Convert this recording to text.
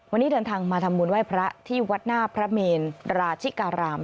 วันนี้เดินทางมาทำบุญไหว้พระที่วัดหน้าพระเมนราชิการาม